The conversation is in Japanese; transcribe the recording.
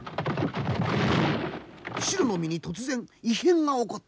シロの身に突然異変が起こった。